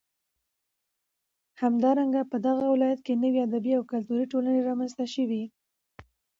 همدارنگه په دغه ولايت كې نوې ادبي او كلتوري ټولنې رامنځ ته شوې.